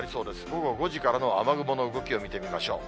午後５時からの雨雲の動きを見てみましょう。